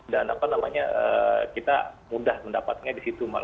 dan apa namanya kita mudah mendapatnya di situ